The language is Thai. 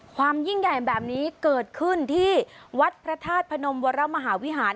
ความยิ่งใหญ่แบบนี้เกิดขึ้นที่วัดพระธาตุพนมวรมหาวิหาร